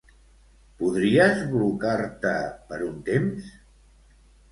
Podries blocar-te per un temps?